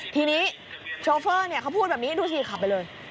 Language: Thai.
ทีนี้โชเฟอร์เขาพูดแบบนี้ดูสิขับไปเลย